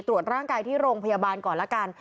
ตรวจร่างกายที่โรงพยาบาลก่อนละกัน